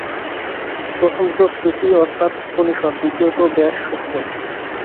প্রথমত শ্রুতি অর্থাৎ উপনিষদ্, দ্বিতীয়ত ব্যাসসূত্র।